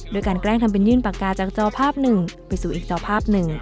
แกล้งทำเป็นยื่นปากกาจากจอภาพหนึ่งไปสู่อีกจอภาพหนึ่ง